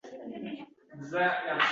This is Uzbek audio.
Sira topishni imkoni boʻlmadi.